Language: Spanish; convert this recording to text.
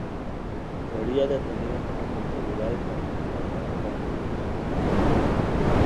Sería detenido por las autoridades franquistas bajo la acusación de estraperlo.